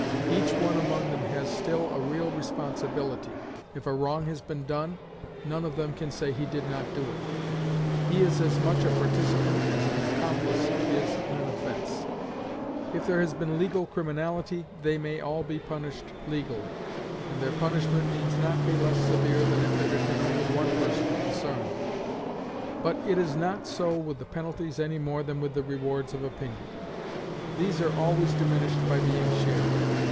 Each one among them has still a real responsibility; if a wrong has been done, none of them can say he did not do it; he is as much a participant as an accomplice is in an offense: if there has been legal criminality, they may all be punished legally, and their punishment needs not be less severe than if there had been only one person concerned. But it is not so with the penalties any more than with the rewards of opinion; these are always diminished by being shared.